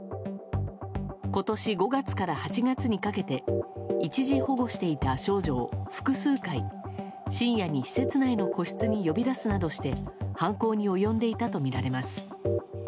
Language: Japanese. ことし５月から８月にかけて、一時保護していた少女を複数回、深夜に施設内の個室に呼び出すなどして犯行に及んでいたと見られます。